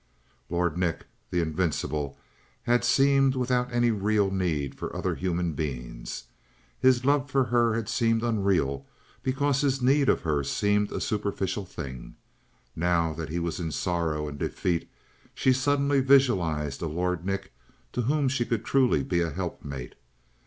Lord Nick, the invincible, had seemed without any real need of other human beings. His love for her had seemed unreal because his need of her seemed a superficial thing. Now that he was in sorrow and defeat she suddenly visualized a Lord Nick to whom she could truly be a helpmate.